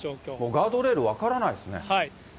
ガードレール分からないですね。